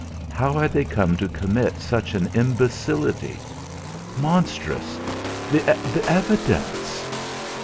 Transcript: How had they come to commit such an imbecility? Monstrous! The evidence